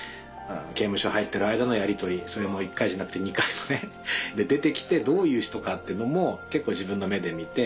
刑務所入ってる間のやりとりそれも１回じゃなくて２回もね。出て来てどういう人かってのも結構自分の目で見て。